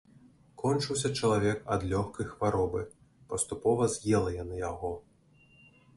Кончыўся чалавек ад лёгкай хваробы, паступова з'ела яна яго.